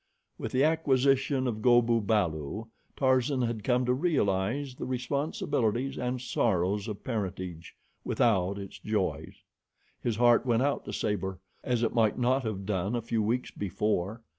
With the acquisition of Go bu balu, Tarzan had come to realize the responsibilities and sorrows of parentage, without its joys. His heart went out to Sabor as it might not have done a few weeks before.